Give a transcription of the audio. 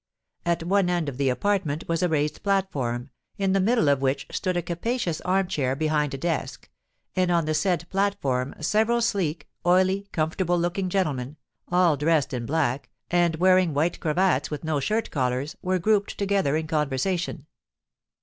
At one end of the apartment was a raised platform, in the middle of which stood a capacious arm chair behind a desk; and on the said platform several sleek, oily, comfortable looking gentlemen, all dressed in black, and wearing white cravats with no shirt collars, were grouped together in conversation.